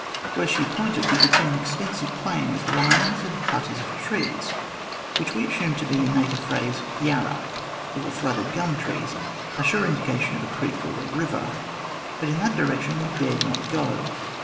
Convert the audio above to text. Where she pointed we could see an extensive plain with lines and clusters of trees, which we assumed to be in native phrase " yarra," or flooded gum trees, a sure indication of a creek or a river, but in that direction we dared not go.